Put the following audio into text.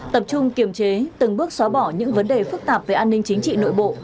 tập trung kiềm chế từng bước xóa bỏ những vấn đề phức tạp về an ninh chính trị nội bộ